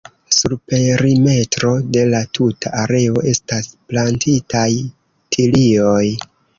Sur perimetro de la tuta areo estas plantitaj tilioj.